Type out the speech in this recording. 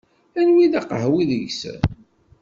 Anwa i d aqehwi deg-sen?